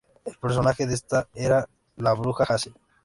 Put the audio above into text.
El personaje de esta era es la bruja Hazel.